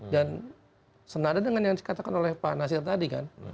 dan senada dengan yang dikatakan oleh pak nasir tadi kan